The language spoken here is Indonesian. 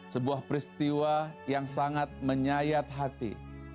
sebuah peristiwa yang sangat menyayat hati